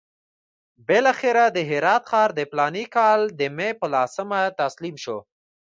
بالاخره د هرات ښار د فلاني کال د مې پر لسمه تسلیم شو.